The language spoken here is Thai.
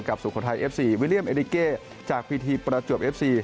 สุโขทัยเอฟซีวิลเลียมเอดิเกจากพิธีประจวบเอฟซี